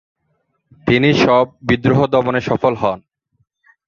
তিনি সব বিদ্রোহ দমনে সফল হন।